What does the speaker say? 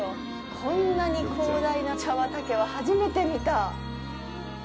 こんなに広大な茶畑は初めて見た！